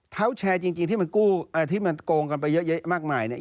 เท้าแชร์จริงที่มันกู้ที่มันโกงกันไปเยอะแยะมากมายเนี่ย